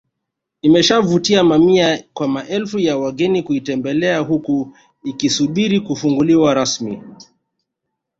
Imeshavutia mamia kwa maelfu ya wageni kuitembelea huku ikisubiri kufunguliwa rasmi